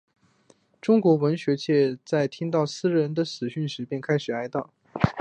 中国的文学界在听到诗人的死讯时便开始哀悼。